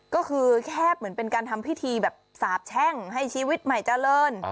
ก็คือแคบเหมือนเป็นการทำพิธีแบบสาบแช่งให้ชีวิตใหม่เจริญ